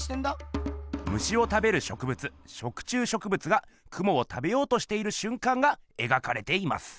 虫を食べる植物食虫植物がクモを食べようとしているしゅんかんが描かれています。